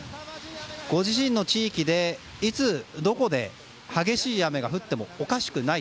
ご自身の地域で、いつどこで激しい雨が降ってもおかしくない。